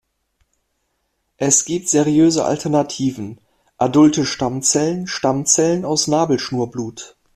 Es gibt seriöse Alternativen, adulte Stammzellen, Stammzellen aus Nabelschnurblut.